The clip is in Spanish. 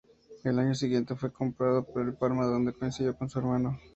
El año siguiente fue comprado por el Parma, donde coincidió con su hermano.